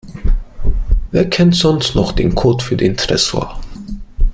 Wer kennt sonst noch den Code für den Tresor?